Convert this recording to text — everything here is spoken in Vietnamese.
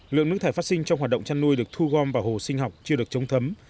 lượng nước thải phát sinh trong hoạt động chăn nuôi được thu gom vào hồ sinh học chưa được chống thấm